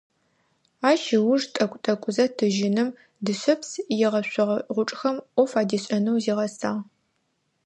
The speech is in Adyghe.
Ащ ыуж тӀэкӀу-тӀэкӀузэ тыжьыным, дышъэпс егъэшъогъэ гъучӀхэм Ӏоф адишӀэнэу зигъэсагъ.